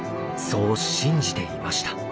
そう信じていました。